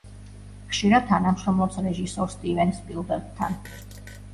ხშირად თანამშრომლობს რეჟისორ სტივენ სპილბერგთან.